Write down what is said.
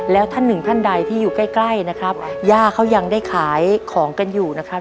แล้วท่านหนึ่งท่านใดที่อยู่ใกล้ใกล้นะครับย่าเขายังได้ขายของกันอยู่นะครับ